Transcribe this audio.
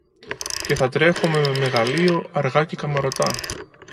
Και θα τρέχομε με μεγαλείο, αργά και καμαρωτά